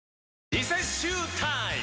リセッシュータイム！